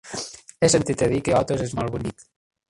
He sentit a dir que Otos és molt bonic.